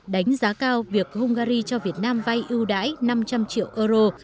đánh giá cao việc hungary cho việt nam vay ưu đãi năm trăm linh triệu euro